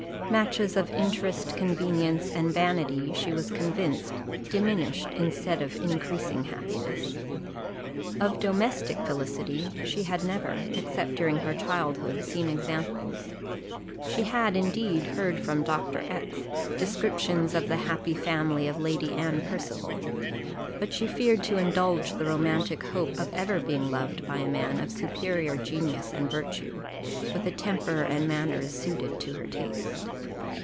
Matches of interest, convenience, and vanity, she was convinced, diminished instead of increasing happiness. Of domestic felicity she had never, except during her childhood, seen examples she had, indeed, heard from Dr. X descriptions of the happy family of Lady Anne Percival, but she feared to indulge the romantic hope of ever being loved by a man of superior genius and virtue, with a temper and manners suited to her taste.